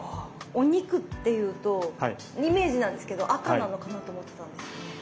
お肉っていうとイメージなんですけど赤なのかなと思ってたんですよね。